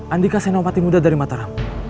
andika senopati muda dari mataram